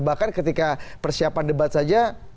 bahkan ketika persiapan debat saja